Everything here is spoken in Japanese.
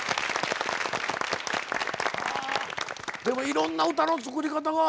でもいろんな歌の作り方が。